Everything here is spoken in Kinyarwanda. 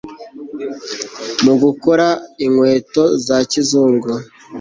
mu gukora inkweto za kizungu